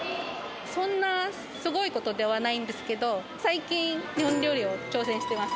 そんなすごいことではないんですけど、最近、日本料理を挑戦してます。